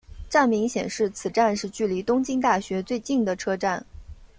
站名显示此站是距离东京大学最近的车站。